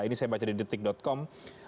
ini saya baca di detik com